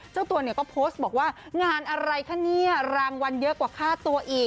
เจ้าตัวเนี่ยก็โพสต์บอกว่างานอะไรคะเนี่ยรางวัลเยอะกว่าค่าตัวอีก